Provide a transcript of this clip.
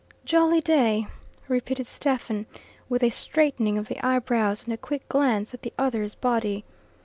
"Jolly day," repeated Stephen, with a straightening of the eyebrows and a quick glance at the other's body.